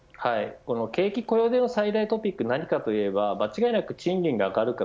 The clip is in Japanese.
景気、雇用での最大トピックは何かといえば、間違いなく賃金が上がるか